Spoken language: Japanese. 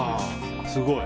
すごい。